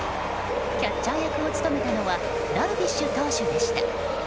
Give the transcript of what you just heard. キャッチャー役を務めたのはダルビッシュ投手でした。